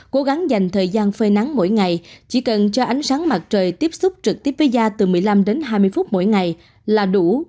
cố gắng dành thời gian phơi nắng mỗi ngày chỉ cần cho ánh sáng mặt trời tiếp xúc trực tiếp với da từ một mươi năm đến hai mươi phút mỗi ngày là đủ